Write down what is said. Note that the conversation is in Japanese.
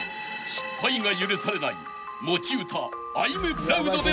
［失敗が許されない持ち歌］